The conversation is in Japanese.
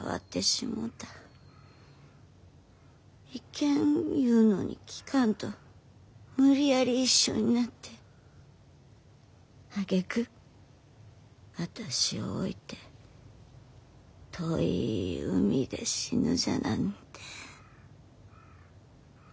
いけん言うのに聞かんと無理やり一緒になってあげく私を置いて遠い海で死ぬじゃなんて。